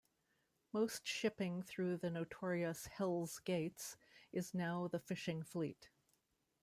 Most shipping through the notorious Hells Gates is now the fishing fleet.